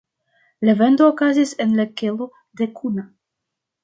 La vendo okazis en la kelo de Kuna.